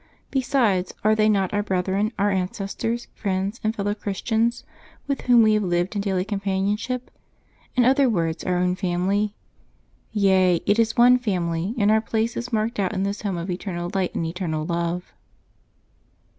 Besides, are they not our brethren, our ancestors, friends, and fellow Christians, with whom we have lived in daily companionship — in other words, our own family? Yea, it is one family; and our place is marked out in this home of eternal light and eternal love.